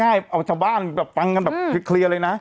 ง่ายเอาชาวบ้านสำเร็จเลยนะ